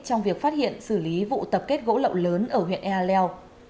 trong việc phát hiện xử lý vụ tập kết gỗ lậu lớn ở huyện ea leo